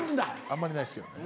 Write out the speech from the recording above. あんまりないですけどね。